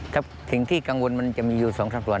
ถึงที่กังวลมันจะมีอยู่สองทักตัว